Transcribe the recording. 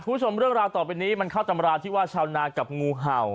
ผู้ชมเรื่องรวามต่อไปในนี้ข้าวคิดว่าชาวนากับงูเห่า